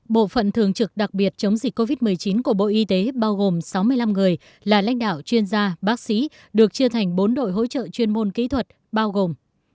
bộ phận thường trực đặc biệt chống dịch covid một mươi chín của bộ y tế bao gồm sáu mươi năm người là lãnh đạo chuyên gia bác sĩ được chia thành bốn đội hỗ trợ chuyên môn kỹ thuật bao gồm